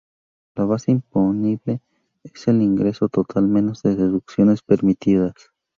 La base imponible es el ingreso total menos las deducciones permitidas.